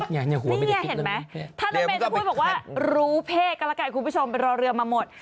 ท่านละเมนจะพูดบอกว่ารู้เพศกรกัยคุณผู้ชมเป็นรอเรือมาหมด